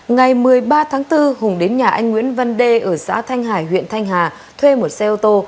ngày một mươi ba tháng bốn hùng đến nhà anh nguyễn văn đê ở xã thanh hải huyện thanh hà thuê một xe ô tô